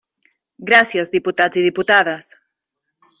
Gràcies, diputats i diputades.